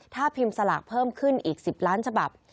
ถ้าพิมพ์สลากเพิ่มขึ้นอีก๑๐ล้านฉบับ